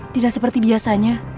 tidak seperti biasanya